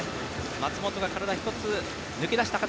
松元が体一つ抜け出した形。